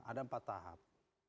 ada empat tahap